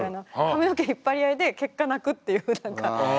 髪の毛引っ張り合いで結果泣くっていう何か。